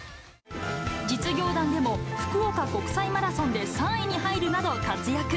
実業団でも福岡国際マラソンで３位に入るなど活躍。